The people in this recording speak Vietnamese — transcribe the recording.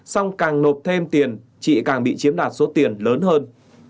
xong càng nộp thêm tiền chị càng bị chiếm đoạt số tiền lớn hơn